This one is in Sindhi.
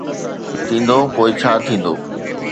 ٿيندو، پوءِ ڇا ٿيندو؟